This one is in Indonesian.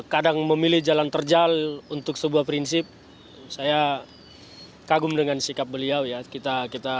kadang memilih jalan terjal untuk sebuah prinsip saya kagum dengan sikap beliau ya